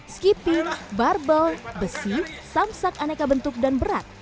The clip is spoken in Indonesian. skipping barbel besi samsak aneka bentuk dan berat